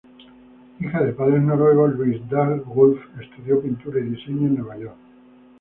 Hija de padres noruegos, Louise Dahl-Wolfe estudió pintura y diseño en Nueva York.